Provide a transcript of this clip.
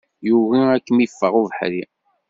Yugi ad kem-iffeɣ ubeḥri.